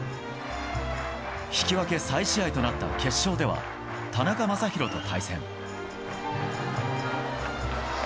引き分け再試合となった決勝では田中将大と対戦。